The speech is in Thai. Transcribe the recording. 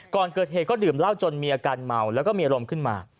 ก่อนเกิดเหตุก็ดื่มเหล้าจนมีอาการเมาแล้วก็มีอารมณ์ขึ้นมา